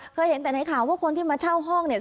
เคยเห็นแต่ในข่าวว่าคนที่มาเช่าห้องเนี่ย